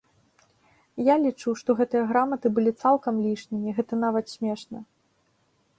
Я лічу, што гэтыя граматы былі цалкам лішнімі, гэта нават смешна.